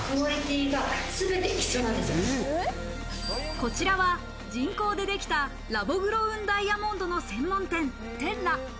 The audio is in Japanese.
こちらは人工でできたラボグロウンダイヤモンドの専門店ＴＥＲＲＡ。